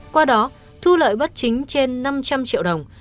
qua đó thu lợi bất chính trên năm trăm linh triệu đồng